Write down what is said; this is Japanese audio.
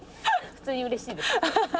普通にうれしいです。